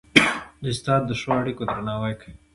استاد د ښو اړيکو درناوی کوي.